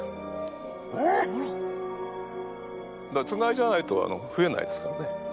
つがいじゃないとふえないですからね。